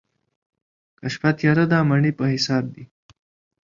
که شپه تياره ده، مڼې په حساب دي.